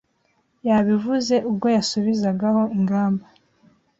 Yabivuze ubwo yasubizagaho ingamba